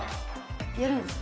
やるんですか？